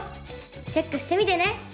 チェックしてみてね！